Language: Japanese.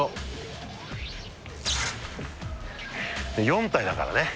４体だからね。